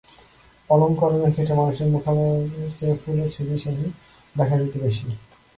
অলংকরণের ক্ষেত্রে মানুষের মুখাবয়বের চেয়ে ফুলের ছবিই সেখানে দেখা যেত বেশি।